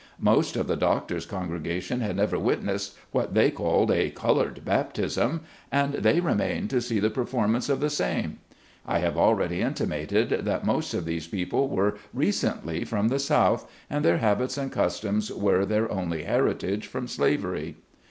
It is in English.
Most of the doctor's con gregation had never witnessed what they called a SPECIAL TRAITS. 113 "Colored Baptism ", and they remained to see the performance of the same. I have already intimated that most of these people were recently from the South, and their habits and customs were their only heritage from slavery.